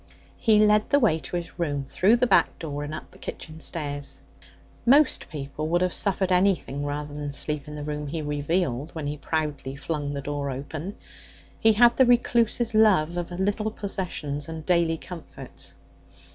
He led the way to his room through the back door and up the kitchen stairs. Most people would have suffered anything rather than sleep in the room he revealed when he proudly flung the door open. He had the recluse's love of little possessions and daily comforts.